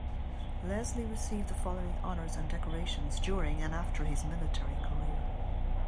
Leslie received the following honours and decorations during and after his military career.